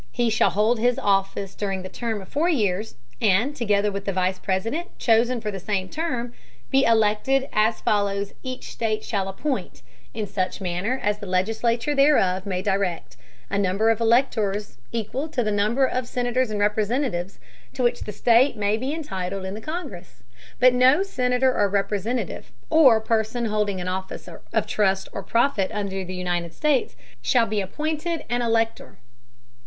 He shall hold his Office during the Term of four Years, and, together with the Vice President, chosen for the same Term, be elected, as follows Each State shall appoint, in such Manner as the Legislature thereof may direct, a Number of Electors, equal to the whole Number of Senators and Representatives to which the State may be entitled in the Congress: but no Senator or Representative, or Person holding an Office of Trust or Profit under the United States, shall be appointed an Elector.